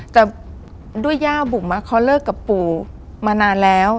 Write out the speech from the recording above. แต่ด้วยย่าบุ๋มเขาเลิกกับปู่มานานแล้ว